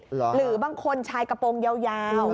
หรือบางคนชายกระโปรงยาว